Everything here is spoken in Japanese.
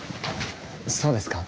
そうですか？